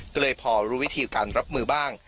ก็เลยพอรู้วิธีการรับมือบ้าง